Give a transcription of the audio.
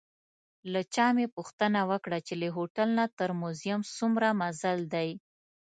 له چا مې پوښتنه وکړه چې له هوټل نه تر موزیم څومره مزل دی.